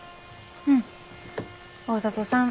うん。